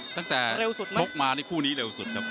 ตั้งแต่เร็วสุดไหมตกมาในคู่นี้เร็วสุดครับ